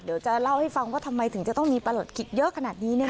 เดี๋ยวจะเล่าให้ฟังว่าทำไมถึงจะต้องมีประหลอดกิจเยอะขนาดนี้